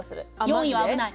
４位は危ない？